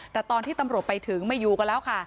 แต่ตอนที่ตำรวจไปถึงไม่อยู่กันแล้วค่ะ